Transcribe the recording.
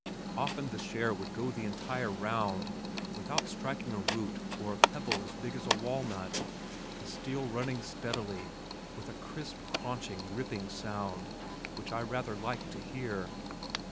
Often the share would go the entire "round" without striking a root or a pebble as big as a walnut, the steel running steadily with a crisp craunching ripping sound which I rather liked to hear.